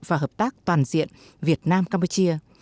và hợp tác toàn diện việt nam campuchia